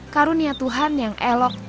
karunia tuhan yang elok